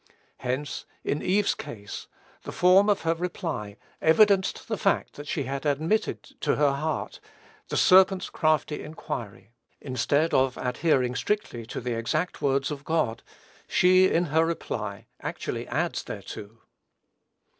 Hence, in Eve's case, the form of her reply evidenced the fact that she had admitted to her heart the serpent's crafty inquiry. Instead of adhering strictly to the exact words of God, she, in her reply, actually adds thereto.